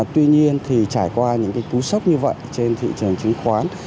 tuy nhiên thì trải qua những cú sốc như vậy trên thị trường chứng khoán